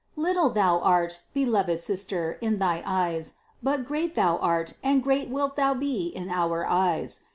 Little thou art, be loved sister, in thy eyes, but great art thou and great wilt thou be in our eyes.